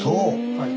はい。